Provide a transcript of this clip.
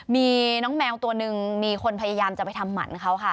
มีน้องแมวตัวหนึ่งมีคนพยายามจะไปทำหมันเขาค่ะ